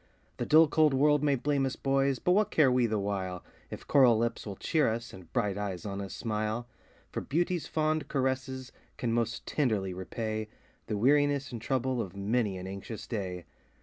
The dull, cold world may blame us, boys! but what care we the while, If coral lips will cheer us, and bright eyes on us smile? For beauty's fond caresses can most tenderly repay The weariness and trouble of many an anxious day.